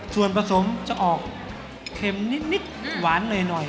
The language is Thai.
ส่วนผสมจะออกเค็มนิดหวานหน่อย